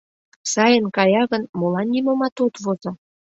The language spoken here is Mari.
— Сайын кая гын, молан нимомат от возо?